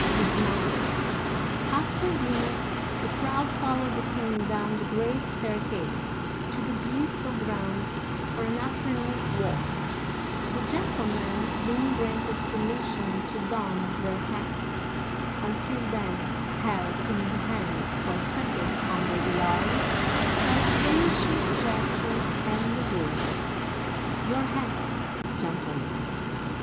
his napkin ! After dinner the crowd followed the king down the great staircase to the beautiful grounds for an afternoon walk, the gentlemen being granted permission to don their hats — until then held in the hand or tucked under Digitized by Google LOUIS XIV. (1643 1715) 333 the arm — by a gracious gesture and the words, " Your hats, gentlemen